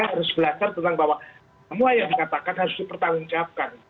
harus belajar tentang bahwa semua yang dikatakan harus dipertanggungjawabkan